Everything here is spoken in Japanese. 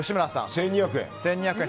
１２００円。